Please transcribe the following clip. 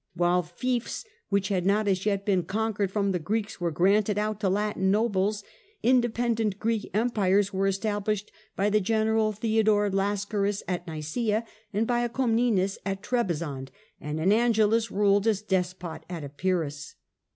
While fiefs which had not as yet been conquered from the Greeks were granted out to Latin nobles, independent Greek Empires were established by the General Theodore Empires of Lascaris at Nicaea, and by a Comnenus at Trebizond, and TreSzond an Angelus ruled as " despot " at Epirus.